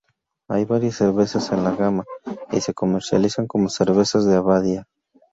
Hay varias cervezas en la gama, y se comercializan como cervezas de abadía.